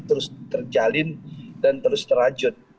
terus terjalin dan terus terlanjut